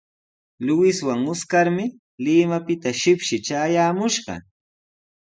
Luiswan Oscarmi Limapita shipshi traayaamushqa.